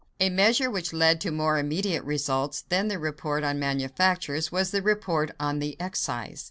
A measure which led to more immediate results than the report on manufactures was the report on the excise.